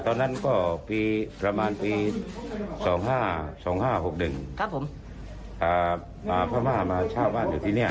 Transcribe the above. ตอนนั้นก็ปีประมาณปี๒๕๒๖๑มาเจ้าว่านอยู่ที่เนี่ย